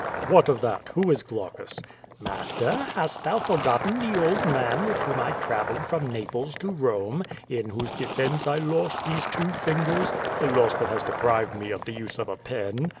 "What of that? Who is Qlaucus? "Master, hast thou forgotten the old man with whom I traveled from Naples to Home, in whose defense I lost these two fingers — ^a loss that has deprived me of the use of a pen?